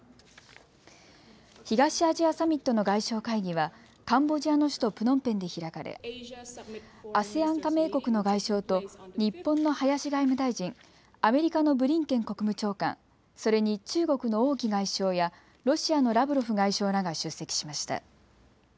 東アジアサミットの外相会議はカンボジアの首都プノンペンで開かれＡＳＥＡＮ加盟国の外相と日本の林外務大臣、アメリカのブリンケン国務長官、それに中国の王毅外相やロシアのラブロフ外相らが出席しました。